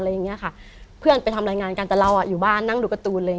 อย่างเงี้ยค่ะเพื่อนไปทำรายงานกันแต่เราอ่ะอยู่บ้านนั่งดูการ์ตูนเลย